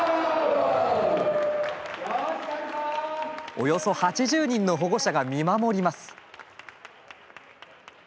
およそ８０人の保護者が見守ります。